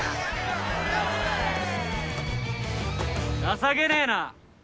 情けねえな。